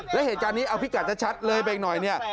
แล้วเหตุการณ์นี้เอาพิกัดชัดเลยไปอีกหน่อยเนี่ย